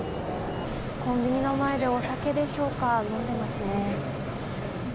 コンビニの前でお酒でしょうか、飲んでいますね。